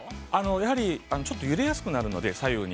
◆やはり揺れやすくなるので、左右に。